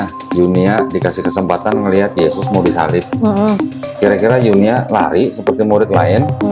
hai dunia dikasih kesempatan melihat yesus mau disalib kira kira yunya lari seperti murid lain